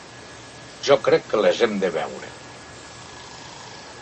Jo crec que les hem de veure.